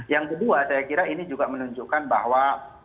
yang kedua saya kira ini juga menunjukkan bahwa